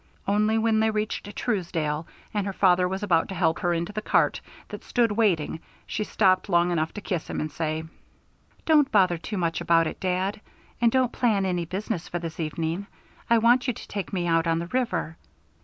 Only when they reached Truesdale and her father was about to help her into the cart that stood waiting she stopped long enough to kiss him and say: "Don't bother too much about it, dad. And don't plan any business for this evening; I want you to take me out on the river."